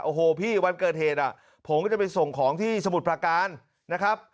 โอ้โหพี่วันเกิดเหตุผมก็จะไปส่งของที่สมุทรประการนะครับ